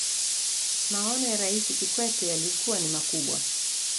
maono ya raisi kikwete yalikuwa ni makubwa